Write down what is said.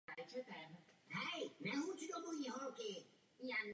Nomenklatura znamená prezentaci rozpočtu podle oborů, přípravu rozpočtu podle oborů.